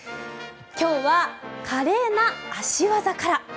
今日は華麗な足技から。